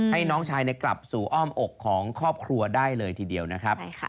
ให้น้องชายกลับสู่อ้อมอกของครอบครัวได้เลยทีเดียวนะครับ